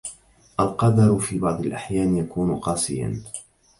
القدر في بعض الأحيان يكون قاسياً.